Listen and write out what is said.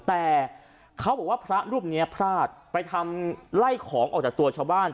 แต่เขาบอกว่าพระรูปนี้พลาดไปทำไล่ของออกจากตัวชาวบ้าน